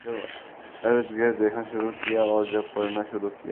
جب اردگرد دیکھنا شروع کیا اور جب پڑھنا شروع کیا